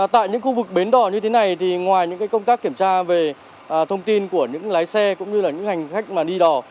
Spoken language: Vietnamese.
tại những khu vực bến đỏ như thế này thì ngoài những công tác kiểm tra về thông tin của những lái xe cũng như là những hành khách mà đi đò